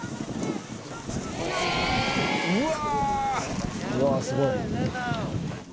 「うわ！」